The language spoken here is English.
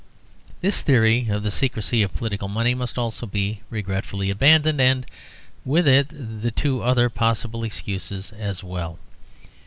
This theory of the secrecy of political money must also be regretfully abandoned; and with it the two other possible excuses as well.